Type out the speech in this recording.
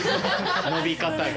伸び方が。